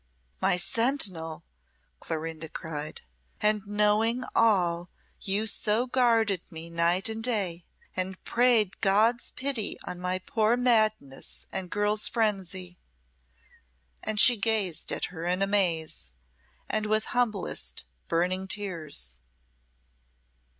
"My sentinel!" Clorinda cried. "And knowing all, you so guarded me night and day, and prayed God's pity on my poor madness and girl's frenzy!" And she gazed at her in amaze, and with humblest, burning tears.